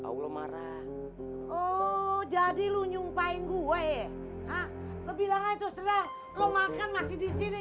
allah marah oh jadi lu nyumpain gue ya hah lo bilang aja itu serang lo makan masih di sini